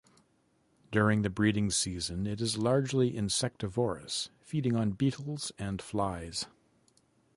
During the breeding season it is largely insectivorous, feeding on beetles and flies.